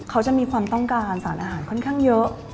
เขาจะมีความต้องการสารอาหารค่อนข้างเยอะ